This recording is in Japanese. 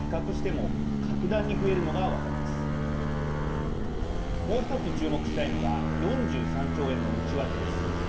もう１つ注目したいのが４３兆円の内訳です。